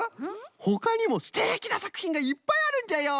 ほかにもすてきなさくひんがいっぱいあるんじゃよ。